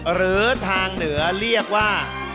หรือทางเหนือเรียกว่า